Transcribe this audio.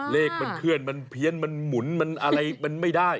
เลขมันเคลื่อนมันเพี้ยนมันหมุนมันอะไรมันไม่ได้